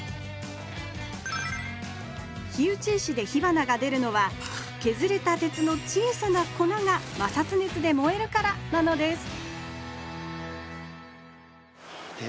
火打ち石で火花がでるのはけずれた鉄の小さな粉が摩擦熱で燃えるからなのです鉄